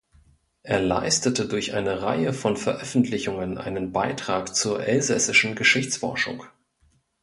Er leistete durch eine Reihe von Veröffentlichungen einen Beitrag zur elsässischen Geschichtsforschung.